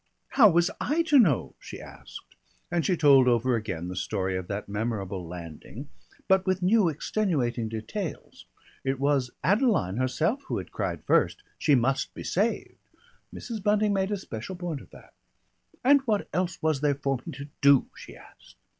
"How was I to know?" she asked, and she told over again the story of that memorable landing, but with new, extenuating details. It was Adeline herself who had cried first, "She must be saved!" Mrs. Bunting made a special point of that. "And what else was there for me to do?" she asked.